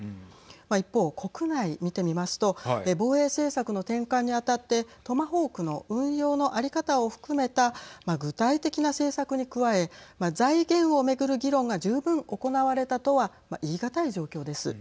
一方、国内見てみますと防衛政策の転換にあたってトマホークの運用の在り方を含めた具体的な政策に加え財源を巡る議論が十分行われたとは言い難い状況です。